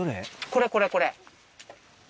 これこれこれ。